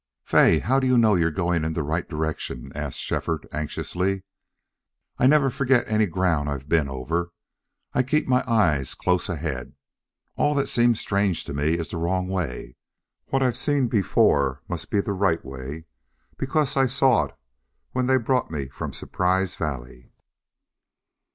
"Fay, how do you know you're going in the right direction?" asked Shefford, anxiously. "I never forget any ground I've been over. I keep my eyes close ahead. All that seems strange to me is the wrong way. What I've seen, before must be the right way, because I saw it when they brought me from Surprise Valley."